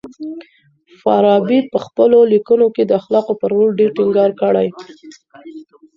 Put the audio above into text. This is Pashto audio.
فارابي په خپلو ليکنو کي د اخلاقو پر رول ډېر ټينګار کړی.